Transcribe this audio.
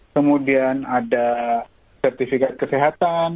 kemudian ada sertifikat kesehatan